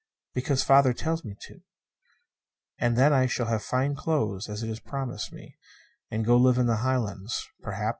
"Because father tells me to. And then I shall have fine clothes: it is promised me. And go to live in the Highlands, perhaps.